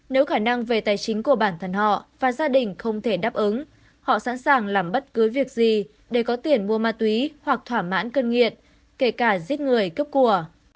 nếu khả năng về tài chính của bản thân họ và gia đình không thể đáp ứng họ sẵn sàng làm bất cứ việc gì để có tiền mua ma túy hoặc thỏa mãn cân nghiện kể cả giết người cướp của